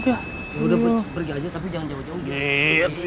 udah pergi aja tapi jangan jauh jauh